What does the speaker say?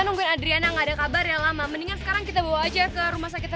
jadi tadi tuh yang kita liat rame rame itu papi dibawa ke rumah sakit